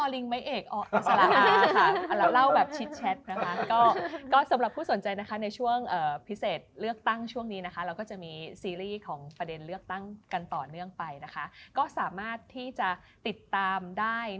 เลยเป็นแบบสนใจนะคะในช่วงเอ่อช่วงเนี้ยค่ะเราก็จะมีซีรีย์ของประเด็นเลือกตั้งกันต่อเนื่องไปนะคะก็สามารถที่จะติดตามได้ใน